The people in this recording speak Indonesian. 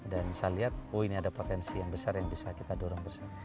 dan saya lihat oh ini ada potensi yang besar yang bisa kita dorong bersama